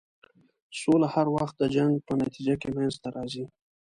سوله هر وخت د جنګ په نتیجه کې منځته راځي.